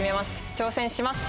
挑戦します。